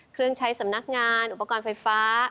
เครื่องใช้สำนักงานอุปกรณ์ไฟฟ้า